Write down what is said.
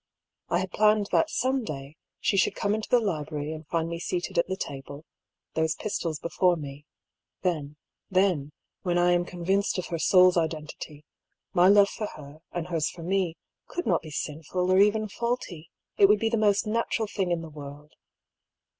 I had planned that some day she should come into the library and find me seated^ at the table — those pistols before me — then, then, when I am convinced of her soul's identity, my love for her and hers for me could not be sinful or even faulty, it would be the most natural thing in the world.